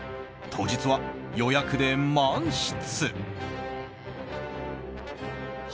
当日は予約で満室。